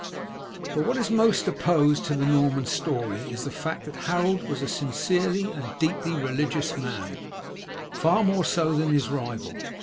But what is most opposed to the Norman story is the fact that Harold was a sincerely and deeply religious man, far more so than his rival.